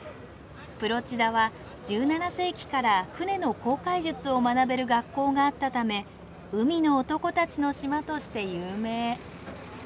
プロチダは１７世紀から船の航海術を学べる学校があったため海の男たちの島として有名。